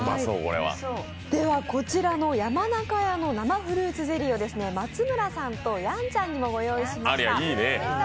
こちらのヤマナカヤの生フルーツゼリーを松村さんと、やんちゃんにもご用意しました。